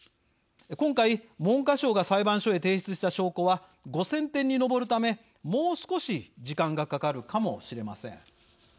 今回、文科省が裁判所へ提出した証拠は５０００点に上るためもう少し時間がかかるかもしれません。